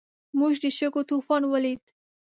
موږ د شګو طوفان ولید.